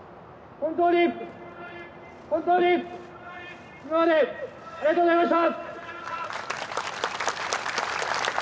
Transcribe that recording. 本当に本当に今までありがとうございました。